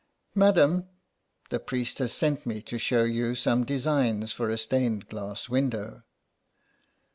" Madam ... the priest has sent me to show you some designs for a stained glass window."